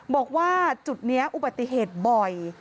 บอกว่าจุดนี้อุบัติเหตุบ่อย